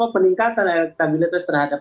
peningkatan elektabilitas terhadap